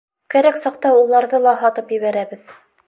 Кәрәк саҡта уларҙы ла һатып ебәрәбеҙ.